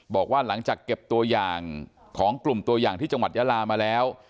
บอกว่าหลังจากเก็บตัวอย่างของกลุ่มตัวอย่างที่จังหวัดยาลามาแล้ว